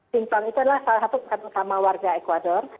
singkong itu adalah salah satu makanan utama warga ecuador